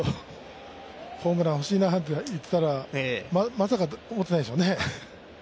ホームラン欲しいなと言ってたらまさか思ってないでしょうね。